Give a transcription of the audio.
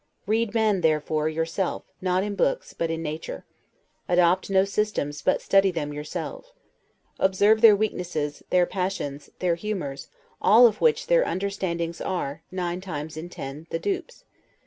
Read men, therefore, yourself, not in books but in nature. Adopt no systems, but study them yourself. Observe their weaknesses, their passions, their humors, of all which their understandings are, nine times in ten, the dupes.